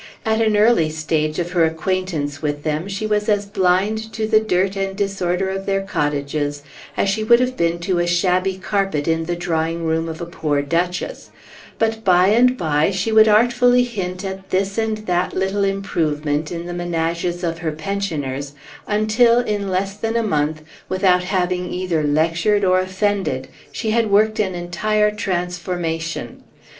At an early stage of her acquaintance with them, she was as blind to the dirt and disorder of their cottages as she would have been to a shabby carpet in the drawing room of a poor duchess; but by and by she would artfully hint at this and that little improvement in the ménages of her pensioners, until, in less than a month, without having either lectured or offended, she had worked an entire transformation.